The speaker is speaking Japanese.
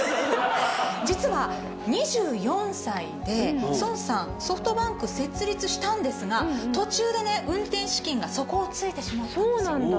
実は２４歳で孫さん「ソフトバンク」設立したんですが途中でね運転資金が底をついてしまったんです。